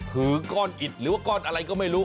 ถือก้อนอิดหรือว่าก้อนอะไรก็ไม่รู้